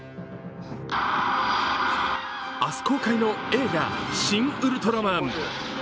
明日公開の映画「シン・ウルトラマン」。